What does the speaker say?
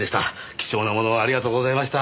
貴重なものをありがとうございました。